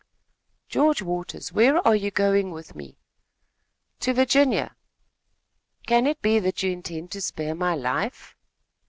"George Waters, where are you going with me?" "To Virginia." "Can it be that you intend to spare my life?"